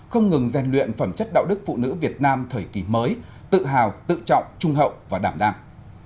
không ngừng rèn luyện phẩm chất đạo đức phụ nữ việt nam thời kỳ mới tự hào tự trọng trung hậu và đảm đang